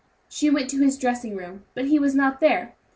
She went to his dressing room, but he was not there.